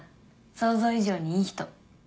想像以上にいい人。